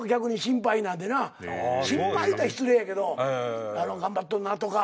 心配って言ったら失礼やけど頑張っとるなとか。